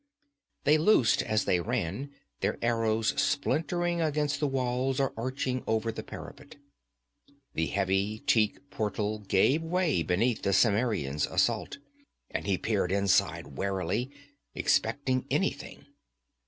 They loosed as they ran, their arrows splintering against the walls or arching over the parapet. The heavy teak portal gave way beneath the Cimmerian's assault, and he peered inside warily, expecting anything.